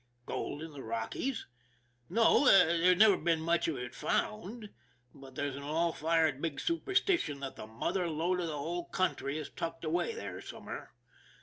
Gold in the Rockies ? No ; there's never been much of it found, but there's an all fired big superstition that the mother lode of the whole country is tucked away here somewhere.